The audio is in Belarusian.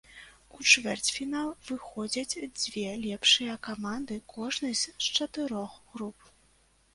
У чвэрцьфінал выходзяць дзве лепшыя каманды кожнай з чатырох груп.